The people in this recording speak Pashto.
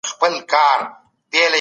د بدن روغتیا لپاره مناسب خواړه وخورئ.